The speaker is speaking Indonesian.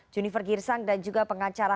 junifer girsang dan juga pengacara